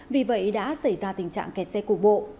vì vậy đã xảy ra tình trạng kẹt xe cục bộ